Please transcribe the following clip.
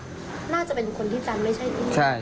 น่าจะเป็นคนที่จะไม่ใช่พี่